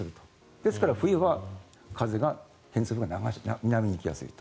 ですから、冬は偏西風が南に行きやすいと。